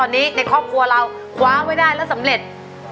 ในครอบครัวคว้าไว้ได้ก็สำเร็จ